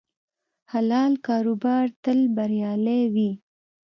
حلال کاروبار تل بریالی وي.